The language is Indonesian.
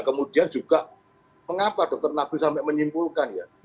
kemudian juga mengapa dokter nabi sampai menyimpulkan ya